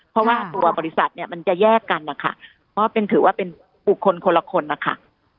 เพราะว่าตัวบริษัทเนี่ยมันจะแยกกันนะคะเพราะถือว่าเป็นบุคคลคนละคนนะคะ